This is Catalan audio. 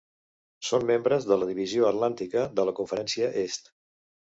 Són membres de la Divisió Atlàntica de la Conferència Est.